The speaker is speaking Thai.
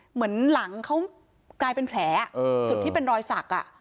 เหมือนหลังเขากลายเป็นแผลเออจุดที่เป็นรอยศักดิ์อ่ะ